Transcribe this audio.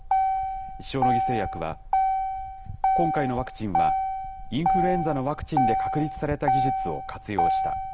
塩野義製薬は、今回のワクチンは、インフルエンザのワクチンで確立された技術を活用した。